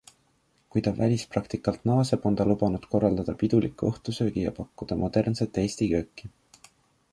Kui ta välispraktikalt naaseb, on ta lubanud korraldada piduliku õhtusöögi ja pakkuda modernset Eesti kööki.